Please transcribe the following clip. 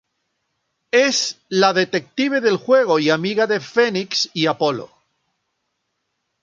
Es la detective del juego y amiga de "Phoenix" y "Apollo".